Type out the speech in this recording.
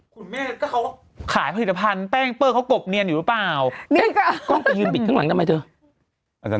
ก็เขาขายผลิตภัณฑ์แป้งเป้าเขากบเนียนอยู่หรือเปล่า